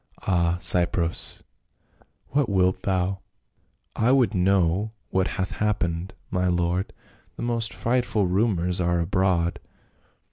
— Ah, Cypros, what wilt thou ?"" I would know what hath happened, my lord ; the most frightful rumors are abroad."